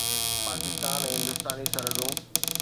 پاڪستان ۽ هندستاني سرحدون